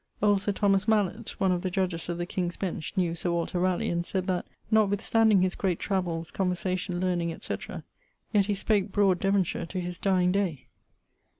Old Sir Thomas Malette, one of the judges of the King's Bench, knew Sir Walter Ralegh, and sayd that, notwithstanding his great travells, conversation, learning, etc., yet he spake broade Devonshire to his dyeing day.